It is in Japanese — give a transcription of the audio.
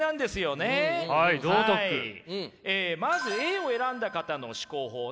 まずＡを選んだ方の思考法ね。